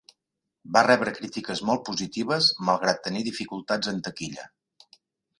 Va rebre crítiques molt positives malgrat tenir dificultats en taquilla.